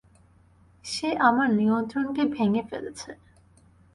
সে আমার নিয়ন্ত্রণকে ভেঙ্গে ফেলেছে।